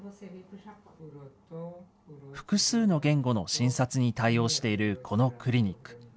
複数の言語の診察に対応しているこのクリニック。